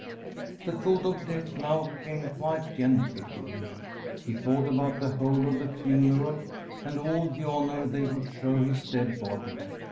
The thought of death now came quite gently to him. He thought about the whole of the funeral and all the honour they would show his dead body.